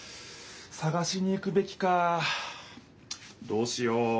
さがしに行くべきかどうしよう。